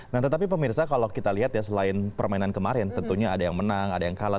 nah tetapi pemirsa kalau kita lihat ya selain permainan kemarin tentunya ada yang menang ada yang kalah